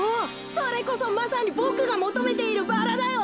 それこそまさにボクがもとめているバラだよ！